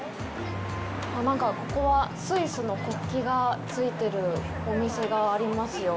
なんか、ここはスイスの国旗がついてるお店がありますよ。